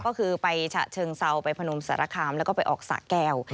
ก็คือไปฉะเชิงเซาไปพนมสารคามแล้วก็ไปออกสะแก้ว